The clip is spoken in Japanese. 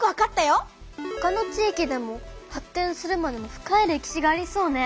ほかの地域でも発展するまでの深い歴史がありそうね！